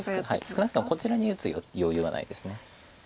少なくともこちらに打つ余裕はないです。